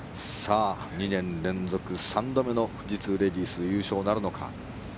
２年連続３度目の富士通レディース優勝なるか。